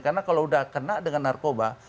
karena kalau udah kena dengan narkoba